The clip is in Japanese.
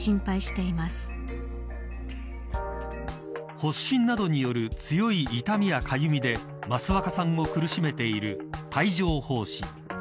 発疹などによる強い痛みやかゆみで益若さんを苦しめている帯状疱疹。